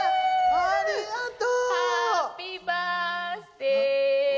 ありがとう！